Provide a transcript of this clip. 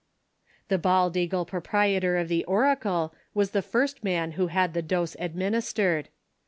] The baldeagle proprietor of the "Oracle" was the first man who had the dose administered.